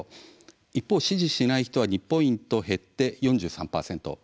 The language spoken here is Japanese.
一方、支持しない人は２ポイント減って４３％。